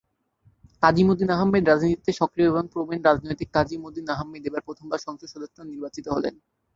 কাজিম উদ্দিন আহম্মেদ রাজনীতিতে সক্রিয় এবং প্রবীণ রাজনৈতিক কাজিম উদ্দিন আহম্মেদ এবার প্রথম বার সংসদ সদস্য নির্বাচিত হলেন।